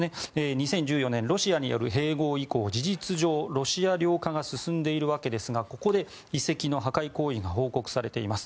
２０１４年ロシアによる併合以降事実上、ロシア領化が進んでいるわけですがここで遺跡の破壊行為が報告されています。